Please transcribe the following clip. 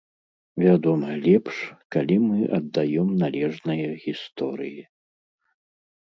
Вядома, лепш, калі мы аддаём належнае гісторыі.